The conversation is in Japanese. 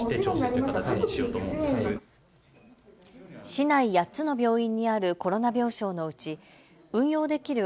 市内８つの病院にあるコロナ病床のうち運用できる